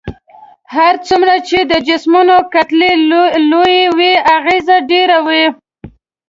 هر څومره چې د جسمونو کتلې لويې وي اغیزه ډیره وي.